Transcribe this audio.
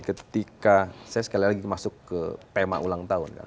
ketika saya sekali lagi masuk ke tema ulang tahun kan